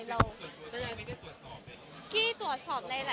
ส่วนตัวนี้ได้ตรวจสอบด้วยใช่ไหม